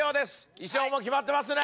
衣装も決まってますね！